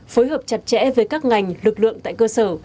phối hợp chặt chẽ với các ngành lực lượng tại cơ sở